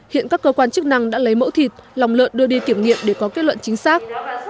hiện các cơ quan chức năng đã lấy mẫu thịt lòng lợn đưa đi kiểm nghiệm để có kết luận chính xác